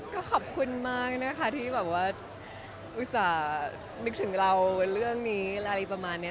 ก็ขอบคุณมากนะคะที่แบบว่าอุตส่าห์นึกถึงเราเรื่องนี้อะไรประมาณนี้